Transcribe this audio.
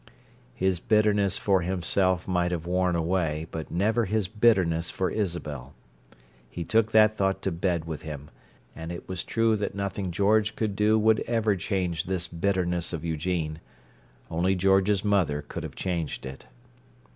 His bitterness for himself might have worn away, but never his bitterness for Isabel. He took that thought to bed with him—and it was true that nothing George could do would ever change this bitterness of Eugene. Only George's mother could have changed it.